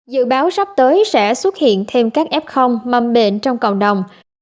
dự báo sắp tới sẽ xuất hiện thêm các f mầm bệnh trong cộng đồng